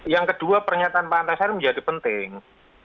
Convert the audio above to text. yang kedua pernyataan pak antasari menjadi penting